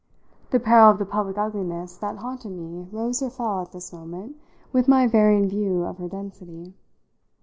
The peril of the public ugliness that haunted me rose or fell, at this moment, with my varying view of her density.